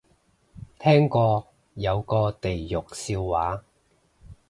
聽過有個地獄笑話